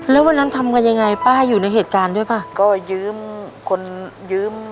แล้ววันนั้นทำกันยังไงป้าอยู่ในเหตุการณ์ด้วยป่ะก็ยืมคนยืม